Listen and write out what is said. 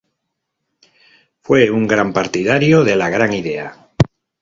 Fue un gran partidario de la "Gran Idea".